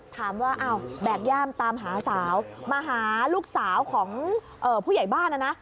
ถามว่าอ้าวแบกย่ามตามหาสาวมาหาลูกสาวของผู้ใหญ่บ้านนะนะ